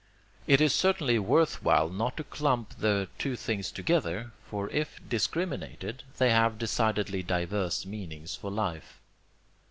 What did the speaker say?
It is certainly worth while not to clump the two things together, for if discriminated, they have decidedly diverse meanings for life.